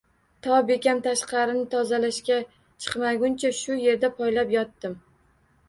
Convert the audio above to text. To bekam tashqarini tozalashga chiqmaguncha shu yerda poylab yotdim